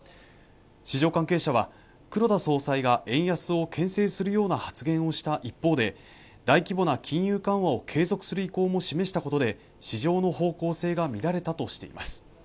市場関係者は黒田総裁が円安を牽制するような発言をした一方で大規模な金融緩和を継続する意向も示したことで市場の方向性が乱れたとしています